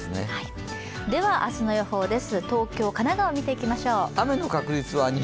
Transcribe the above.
では明日の予報です。